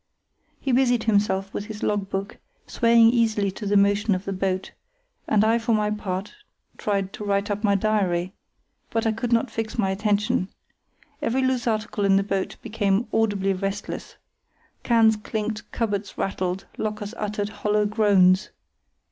He busied himself with his logbook, swaying easily to the motion of the boat; and I for my part tried to write up my diary, but I could not fix my attention. Every loose article in the boat became audibly restless. Cans clinked, cupboards rattled, lockers uttered hollow groans.